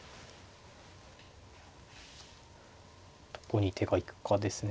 どこに手が行くかですね。